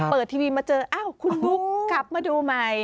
ทีวีมาเจออ้าวคุณบุ๊กกลับมาดูใหม่